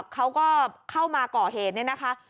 เขาก็เข้ามาก่อเหตุเนี่ยนะคะ